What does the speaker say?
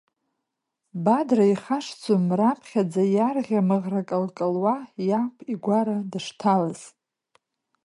Бадра ихашҭӡом раԥхьаӡа иарӷьа мыӷра калкалуа иаб игәара дышҭалаз.